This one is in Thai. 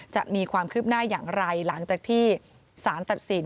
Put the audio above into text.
จะมีความคืบหน้าอย่างไรหลังจากที่สารตัดสิน